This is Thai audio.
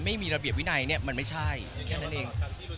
คือนี่เนี้ยมันไม่ใช่แค่นั่นเอง